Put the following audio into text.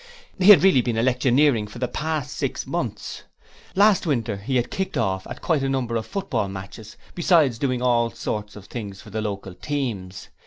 He had really been electioneering for the past six months! Last winter he had kicked off at quite a number of football matches besides doing all sorts of things for the local teams.